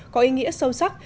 có ý nghĩa sâu sắc